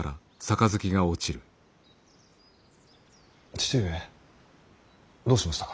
父上どうしましたか。